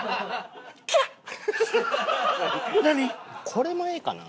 これもええかな。